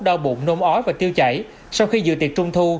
đau bụng nôn ói và tiêu chảy sau khi dự tiệc trung thu